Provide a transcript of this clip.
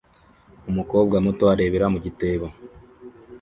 Umukobwa muto arareba mu gitebo